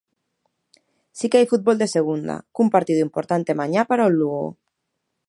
Si que hai fútbol de segunda, cun partido importante mañá para o Lugo.